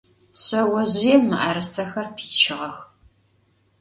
Şseozjıêm mı'erısexer piçığex.